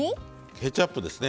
ケチャップですね。